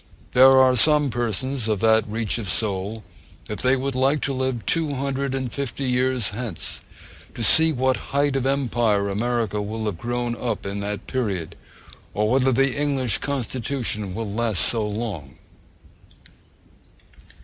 There are some persons of that reach of soul that they would like to live two hundred and fifty years hence, to see to what height of empire America will have grown up in that period, or whether the English constitution will last so long.